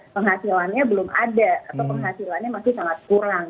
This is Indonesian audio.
penghasilannya belum ada atau penghasilannya masih sangat kurang